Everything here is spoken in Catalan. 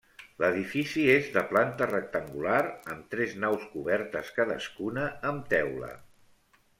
L'edifici és de planta rectangular amb tres naus cobertes cadascuna amb teula.